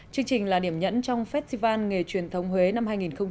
chương trình là điểm nhẫn trong festival nghề truyền thống huế năm hai nghìn một mươi bảy